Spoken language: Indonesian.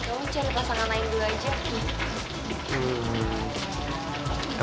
kamu cari pasangan lain gue aja